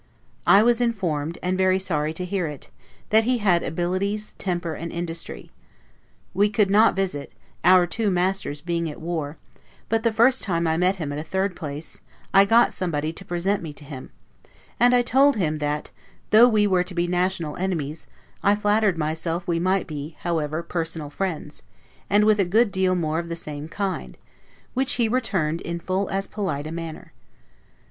I was informed, and very sorry to hear it, that he had abilities, temper, and industry. We could not visit, our two masters being at war; but the first time I met him at a third place, I got somebody to present me to him; and I told him, that though we were to be national enemies, I flattered myself we might be, however, personal friends, with a good deal more of the same kind; which he returned in full as polite a manner.